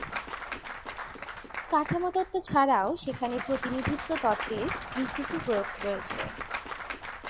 কাঠামো তত্ত্ব ছাড়াও সেখানে প্রতিনিধিত্ব তত্ত্বের বিস্তৃত প্রয়োগ রয়েছে।